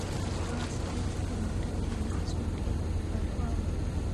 هغه سړی چې په موټر کې ناست و ډېر بې پروا و.